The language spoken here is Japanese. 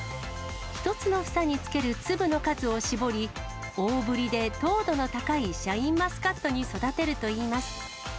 １つの房につける粒の数を絞り、大ぶりで糖度の高いシャインマスカットに育てるといいます。